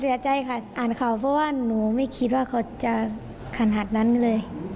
เสียใจค่ะอ่านข่าวเพราะว่าหนูไม่คิดว่าเขาจะขนาดนั้นเลย